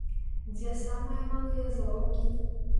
Дзе самыя малыя заробкі?